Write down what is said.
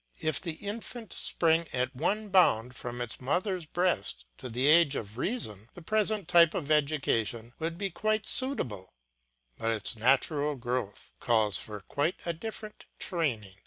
If the infant sprang at one bound from its mother's breast to the age of reason, the present type of education would be quite suitable, but its natural growth calls for quite a different training.